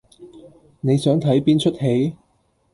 你想睇邊齣戲？